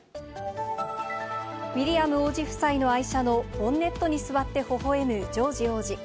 ウィリアム王子夫妻の愛車のボンネットに座ってほほえむジョージ王子。